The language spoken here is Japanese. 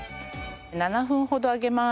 ７分ほど揚げます。